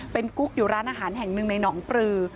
เป็นกุ๊กอยู่ร้านอาหารแห่งหนึ่งในหนองปลือ